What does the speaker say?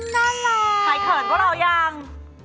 น่ารักใครเขินกับเรายัง